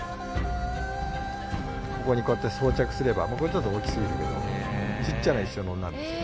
ここにこうやって装着すればこれはちょっと大きすぎるけどちっちゃな石斧になるんですよ。